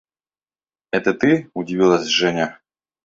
– Это ты? – удивилась Женя.